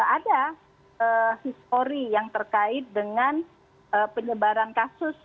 ada histori yang terkait dengan penyebaran kasus